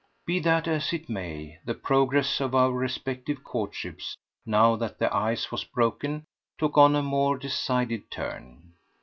Be that as it may, the progress of our respective courtships, now that the ice was broken, took on a more decided turn.